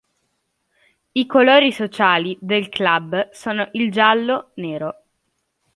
I colori sociali del club sono il giallo-nero.